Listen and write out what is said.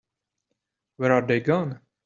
Where are they gone?